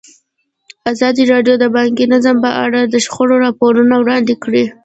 ازادي راډیو د بانکي نظام په اړه د شخړو راپورونه وړاندې کړي.